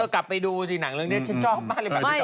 เธอกลับไปดูหนังเรื่องนี้ฉันชอบมากเลย